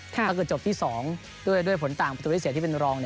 ถ้าเกิดจบที่๒ด้วยผลต่างประตูที่เสียที่เป็นรอง